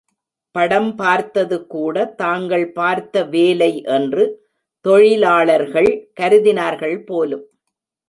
படம் பார்த்தது கூட தாங்கள் பார்த்த வேலை என்று தொழிலாளர்கள் கருதினார்கள் போலும்!